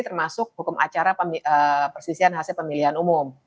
termasuk hukum acara persisian hasil pemilihan umum